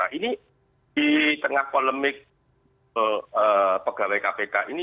nah ini di tengah polemik pegawai kpk ini